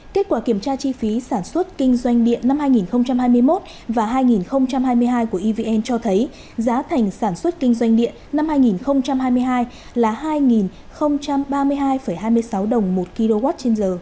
kết quả kiểm tra chi phí sản xuất kinh doanh điện năm hai nghìn hai mươi một và hai nghìn hai mươi hai của evn cho thấy giá thành sản xuất kinh doanh điện năm hai nghìn hai mươi hai là hai ba mươi hai hai mươi sáu đồng một kw trên